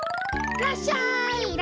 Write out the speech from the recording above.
いらっしゃい！